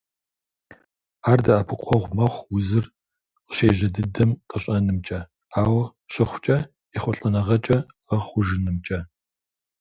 Ар дэӀэпыкъуэгъу мэхъу узыр къыщежьэ дыдэм къэщӀэнымкӀэ, ауэ щыхъукӀэ, ехъулӀэныгъэкӀэ гъэхъужынымкӀэ.